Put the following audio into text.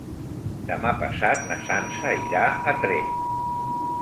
Demà passat na Sança irà a Tremp.